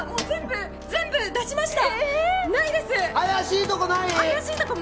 全部、出しました。